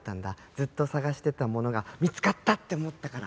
ずっと探してたものが見つかった！って思ったから。